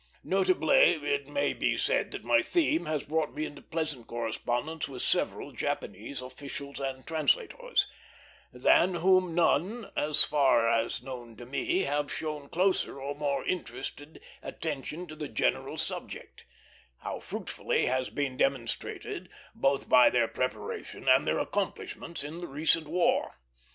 Notably, it may be said that my theme has brought me into pleasant correspondence with several Japanese officials and translators, than whom none, as far as known to me, have shown closer or more interested attention to the general subject; how fruitfully, has been demonstrated both by their preparation and their accomplishments in the recent war.